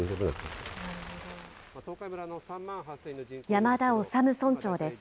山田修村長です。